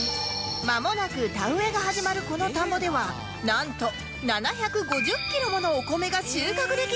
まもなく田植えが始まるこの田んぼではなんと７５０キロものお米が収穫できるんだとか